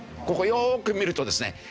ここよく見るとですね